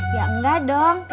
ya tidak dong